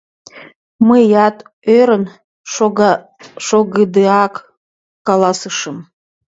Мыят ӧрын шогыдеак каласышым: